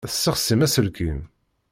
Tesseɣsim aselkim.